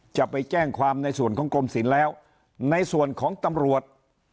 จะไปแจ้งความในส่วนของกรมศิลป์แล้วในส่วนของตำรวจ